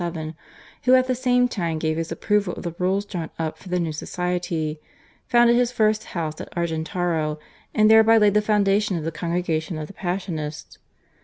(1727) who at the same time gave his approval of the rules drawn up for the new society, founded his first house at Argentaro, and thereby laid the foundation of the Congregation of the Passionists.